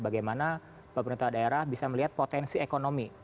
di mana pemerintah daerah bisa melihat potensi ekonomi